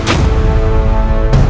siapa kau sebenarnya